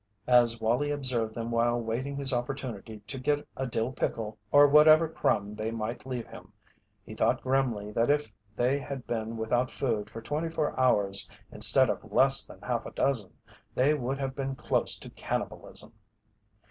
As Wallie observed them while waiting his opportunity to get a dill pickle or whatever crumb they might leave him, he thought grimly that if they had been without food for twenty four hours instead of less than half a dozen, they would have been close to cannibalism.